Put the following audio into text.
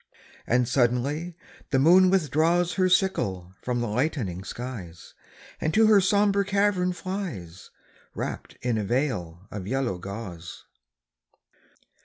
And suddenly the moon withdraws Her sickle from the lightening skies, And to her sombre cavern flies, Wrapped in a veil of yellow gauze.